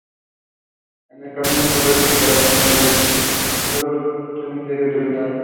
Era el camino correcto para que el a menudo frustrante misterio terminara".